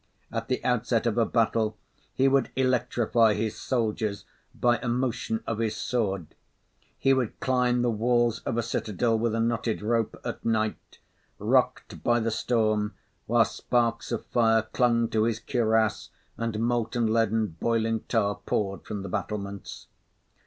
At the outset of a battle, he would electrify his soldiers by a motion of his sword. He would climb the walls of a citadel with a knotted rope, at night, rocked by the storm, while sparks of fire clung to his cuirass, and molten lead and boiling tar poured from the battlements.